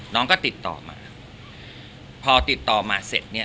น้องก็ติดต่อมาพอติดต่อมาเสร็จเนี่ย